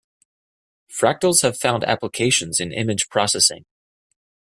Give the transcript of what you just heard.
Fractals have found applications in image processing.